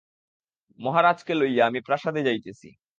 মহারাজকে লইয়া আমি প্রাসাদে যাইতেছি।